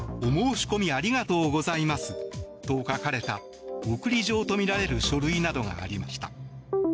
更に、この度はお申し込みありがとうございますと書かれた送り状とみられる書類などがありました。